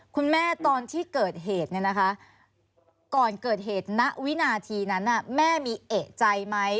คุณแม่ตอนที่เกิดเหตุก่อนเกิดเหตุณวินาทีนั้นแม่มีเอกใจไหม